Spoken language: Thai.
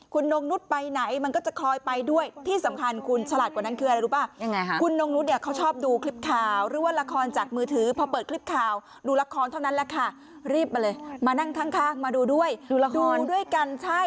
คุณนงนุษย์ไปไหนมันก็จะคอยไปด้วยที่สำคัญคุณฉลาดกว่านั้นคืออะไรรู้ป่ะ